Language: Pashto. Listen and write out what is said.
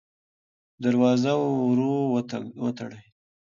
دروازه ورو وتړئ.